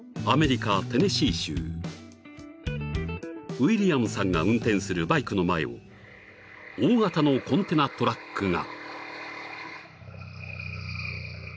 ［ウィリアムさんが運転するバイクの前を大型のコンテナトラックが］